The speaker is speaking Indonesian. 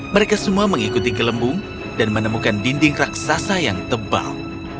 mereka semua mengikuti gelembung dan menemukan dinding raksasa yang tebal